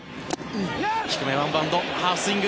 低め、ワンバウンドハーフスイング